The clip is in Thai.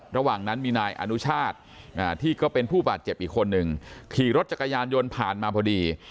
ระหว่างนั้นมีนายอนุชาติที่ก็เป็นผู้บาดเจ็บอีกคนนึงขี่รถจักรยานยนต์ผ่านมาพอดี